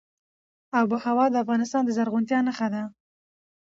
آب وهوا د افغانستان د زرغونتیا نښه ده.